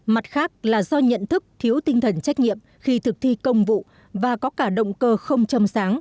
mặt khác là do nhận thức thiếu tinh thần trách nhiệm khi thực thi công vụ và có cả động cơ không châm sáng